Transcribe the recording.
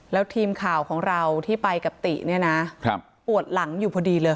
แล้วทีมข่าวของเราที่ไปกับติเนี่ยนะปวดหลังอยู่พอดีเลย